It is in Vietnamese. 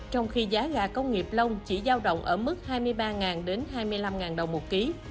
trong khi giá gà công nghiệp long chỉ giao động ở mức hai mươi ba đến hai mươi năm đồng một ký